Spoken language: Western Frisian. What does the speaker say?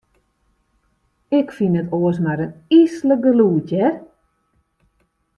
Ik fyn it oars mar in yslik gelûd, hear.